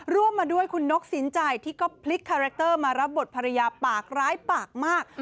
ร่วมมาด้วยคุณนกสินใจที่ก็พลิกคาแรคเตอร์มารับบทภรรยาปากร้ายปากมาก